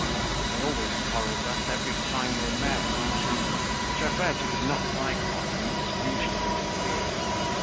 They always quarreled thus every time they met. Gervaise, who did not like arguments, usually interfered.